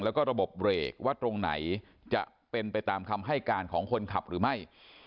แล้วก็ระบบเบรกว่าตรงไหนจะเป็นไปตามคำให้การของคนขับหรือไม่